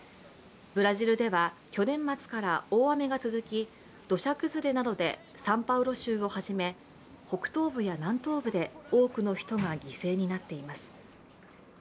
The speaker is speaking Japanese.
ブラジルでは去年末から大雨が続き土砂崩れなどでサンパウロ州をはじめ北東部や南東部で多くの人が犠牲になっています。